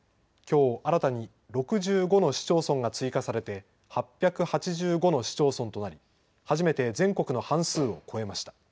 きょう新たに６５の市町村が追加されて８８５の市町村となり初めて全国の半数を超えました。